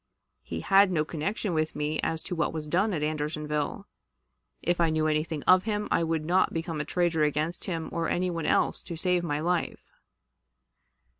He had no connection with me as to what was done at Andersonville. If I knew anything of him, I would not become a traitor against him or anybody else to save my life.'